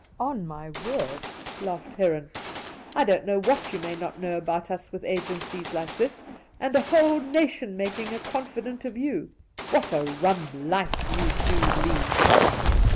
'On my word,' laughed Heron, 'I don't know what you may not know about us with agencies like this, and a whole nation making a confidante of you ! What a rum life you do lead